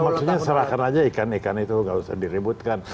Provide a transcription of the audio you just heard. maksudnya serahkan saja ikan ikan itu tidak usah diributkan